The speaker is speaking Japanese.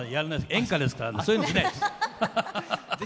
演歌ですからそういうのしないです。